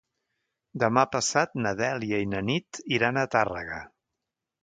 Demà passat na Dèlia i na Nit iran a Tàrrega.